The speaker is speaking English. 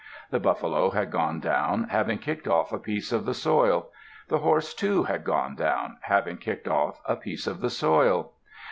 The buffalo had gone down, having kicked off a piece of the soil. The horse, too, had gone down, having kicked off a piece of the soil.